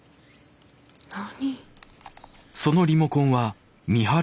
何？